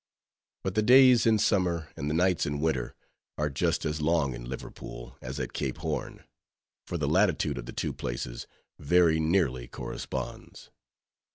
But the days in summer, and the nights in winter, are just as long in Liverpool as at Cape Horn; for the latitude of the two places very nearly corresponds.